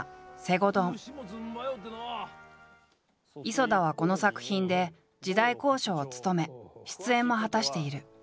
磯田はこの作品で時代考証を務め出演も果たしている。